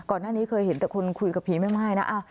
ก่อนหน้านี้เคยเห็นแต่คุณคุยกับผีแม่ม่ายนะ